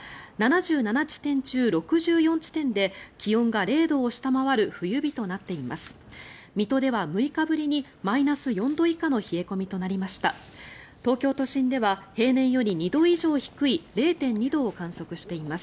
７７地点中６４地点で気温が０度を下回る冬日となっています。